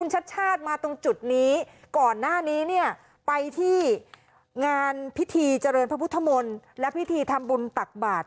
ชัดชาติมาตรงจุดนี้ก่อนหน้านี้เนี่ยไปที่งานพิธีเจริญพระพุทธมนตร์และพิธีทำบุญตักบาท